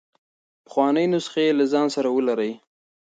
پخوانۍ نسخې له ځان سره ولرئ.